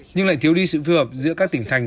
nhưng lại thiếu đi sự phù hợp giữa các tỉnh thành